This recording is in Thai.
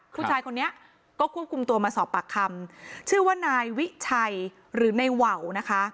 ผู้ชายคนนี้ก็ควบคุมตัวมาสอบปากคำชื่อว่านายวิชัยหรือในว่าวนะคะ